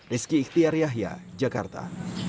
rizky ikhtiar yahya jakarta